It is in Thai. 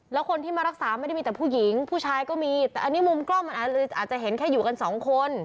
แล้วคนที่มารักษาไม่ได้มีแต่ผู้หญิง